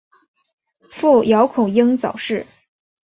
父姚孔瑛早逝。